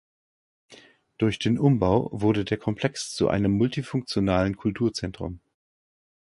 Durch den Umbau wurde der Komplex zu einem multifunktionalen Kulturzentrum.